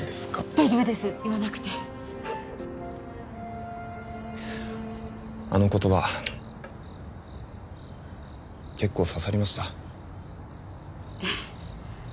大丈夫です言わなくてあの言葉結構刺さりましたえっ？